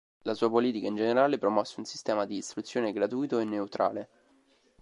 La sua politica in generale promosse un sistema di istruzione gratuito e neutrale.